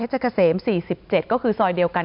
จะเกษม๔๗ก็คือซอยเดียวกัน